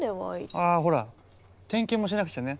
あほら点検もしなくちゃね。